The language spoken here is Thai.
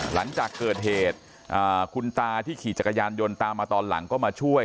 หลังจากเกิดเหตุคุณตาที่ขี่จักรยานยนต์ตามมาตอนหลังก็มาช่วย